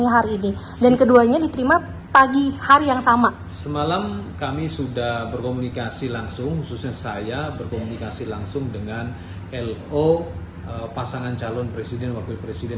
tentunya ini juga sebenarnya kami tidak inginkan karena memang sejak kemarin sore kami sudah mengirim fisik surat atau hard copy dari surat undangan tersebut kepada para pihak terundang